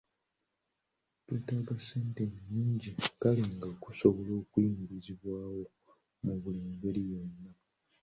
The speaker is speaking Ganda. Tegwetaaga ssente nnyingi kale nga gusobola okuyimirizibwawo mu buli ngeri yonna.